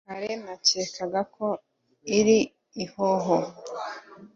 kare nakekaga ko ari ihoho